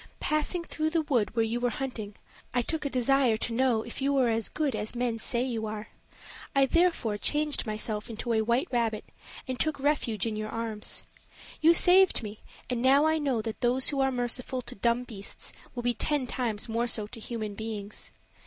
"Passing through the wood where you were hunting, I took a desire to know if you were as good as men say you are I therefore changed myself into a white rabbit and took refuge in your arms. You saved me and now I know that those who are merciful to dum beasts will be ten times more so to human beings.